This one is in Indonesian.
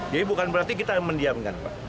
jadi bukan berarti kita mendiamkan pak